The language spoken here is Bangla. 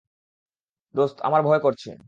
দোস্ত, আমার ভয় করছে।